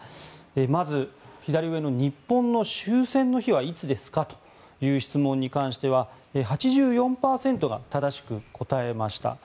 まず、左上の日本の終戦の日はいつですかという質問に関しては８４％が正しく答えました。